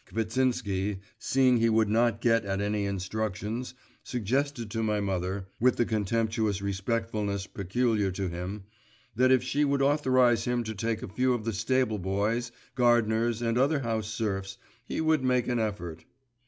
Kvitsinsky, seeing he would not get at any instructions, suggested to my mother with the contemptuous respectfulness peculiar to him that if she would authorise him to take a few of the stable boys, gardeners, and other house serfs, he would make an effort.